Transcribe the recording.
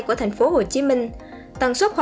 của thành phố hồ chí minh